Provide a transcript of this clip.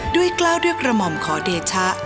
กล้าวด้วยกระหม่อมขอเดชะ